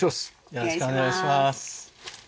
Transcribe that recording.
よろしくお願いします。